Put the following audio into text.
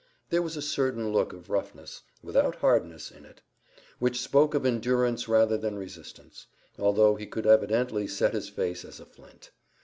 There was a certain look of roughness, without hardness, in it, which spoke of endurance rather than resistance, although he could evidently set his face as a flint.